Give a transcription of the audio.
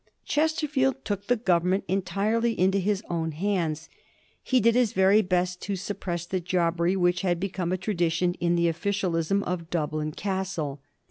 Chesterfield took the government en tirely into his own hands. He did his very best to sup press the jobbery which had become a tradition in the officialism of Dublin Castle.